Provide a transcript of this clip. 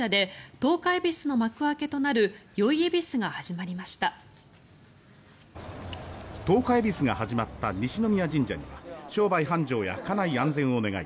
十日えびすが始まった西宮神社には商売繁盛や家内安全を願い